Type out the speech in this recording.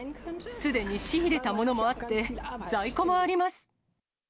すでに仕入れたものもあって、在庫もあります。